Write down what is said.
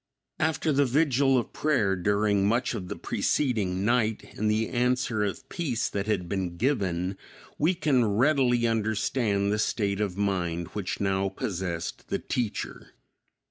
After the vigil of prayer during much of the preceding night and the answer of peace that had been given, we can readily understand the state of mind which now possessed the teacher.